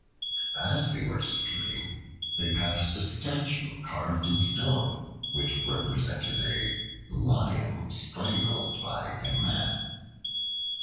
As they were disputing, they passed a statue carved in stone, which represented "a Lion strangled by a Man."